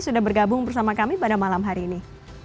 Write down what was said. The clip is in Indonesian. sudah bergabung bersama kami pada malam hari ini